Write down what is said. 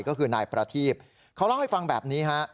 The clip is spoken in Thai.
ก็คือนายประทีบเขาเล่าให้ฟังแบบนี้ฮะ